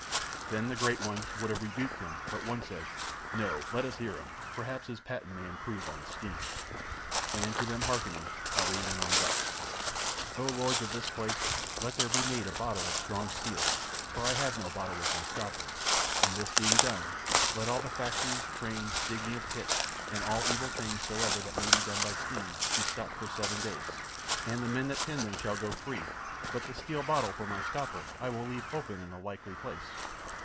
Then the great ones would have rebuked him but one said: "No, let us hear him, perhaps his patent may improve on steam." And to them hearkening Ali went on thus: "O Lords of this place, let there be made a bottle of strong steel, for I have no bottle with my stopper, and this being done let all the factories, trains, digging of pits, and all evil things soever that may be done by steam be stopped for seven days, and the men that tend them shall go free, but the steel bottle for my stopper I will leave open in a likely place.